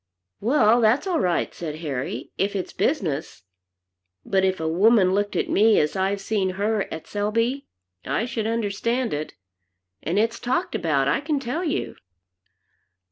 "Well, that's all right," said Harry, "if it's business. But if a woman looked at me as I've seen her at Selby, I should understand it. And it's talked about, I can tell you."